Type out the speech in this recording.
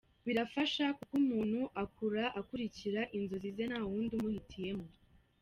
Birafasha kuko umuntu akura akurikira inzozi ze nta wundi umuhitiyemo.